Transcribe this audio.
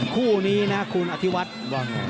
คู่นี้นะคุณอธิวัตรว่าไง